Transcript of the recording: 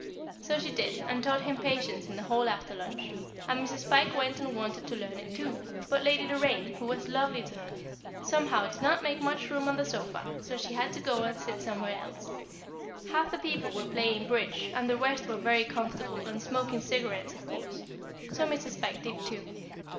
So she did, and taught him Patience in the hall after lunch; and Mrs. Pike went and wanted to learn it too, but Lady Doraine who was lovely to her somehow did not make much room on the sofa, so she had to go and sit somewhere else. [Sidenote: A Broad Hint] Half the people were playing "Bridge," and the rest were very comfortable, and smoking cigarettes, of course; so Mrs. Pike did too.